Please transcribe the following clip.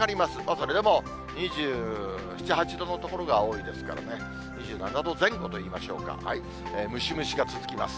それでも２７、８度の所が多いですからね、２７度前後といいましょうか、ムシムシが続きます。